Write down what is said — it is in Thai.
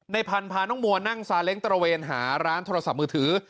พันธุ์พาน้องมัวนั่งซาเล้งตระเวนหาร้านโทรศัพท์มือถือ